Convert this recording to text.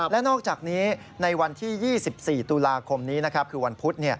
และนอกจากนี้ในวันที่๒๔ตุลาคมนี้คือวันพุธ